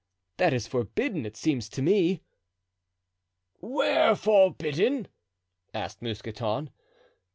That is forbidden, it seems to me." "Where forbidden?" asked Mousqueton.